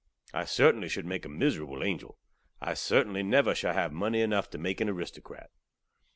I certainly should make a miserable angel. I certainly never shall hav munny enuff tew make an aristokrat.